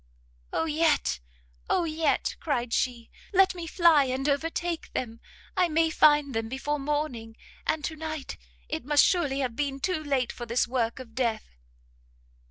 "Oh yet, oh yet," cried she, "let me fly and overtake them! I may find them before morning, and to night it must surely have been too late for this work of death!"